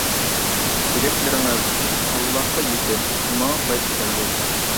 تىلەكلىرىڭىز ئاللاغا يېتىپ، ماڭا قايتىپ كەلگەي!